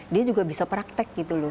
dia juga bisa praktek gitu loh